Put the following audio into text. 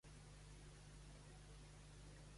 Fotre foc a l'Atlàntic.